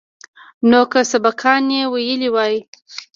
نو که سبقان يې ويلي واى.